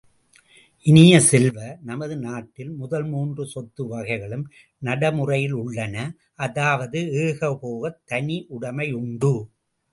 இனிய செல்வ, நமது நாட்டில் முதல் மூன்று சொத்து வகைகளும் நடைமுறையில் உள்ளன., அதாவது, ஏகபோகத் தனியுடைமையும் உண்டு.